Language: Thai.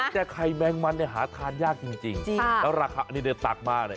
ใส่ไข่แมงมันหาทานยากจริงจริงแล้วราคาในตากมาหน่อย